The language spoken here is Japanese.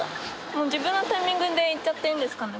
もう自分のタイミングで行っちゃっていいんですかね。